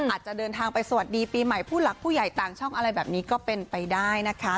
อาจจะเดินทางไปสวัสดีปีใหม่ผู้หลักผู้ใหญ่ต่างช่องอะไรแบบนี้ก็เป็นไปได้นะคะ